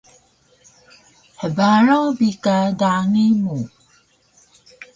Hbaraw bi ka dangi mu